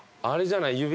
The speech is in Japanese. あれじゃない？